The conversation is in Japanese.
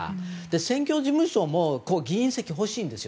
選挙事務所も議員席が欲しいんですよ。